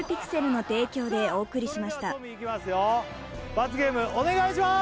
罰ゲームお願いします